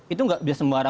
itu tidak bisa sembarangan